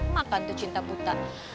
makan tuh cinta puta